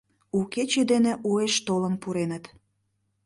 У кече дене уэш толын пуреныт.